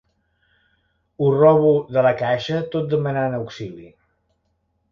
Ho robo de la caixa tot demanant auxili.